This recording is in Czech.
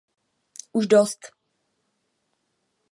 Už dost!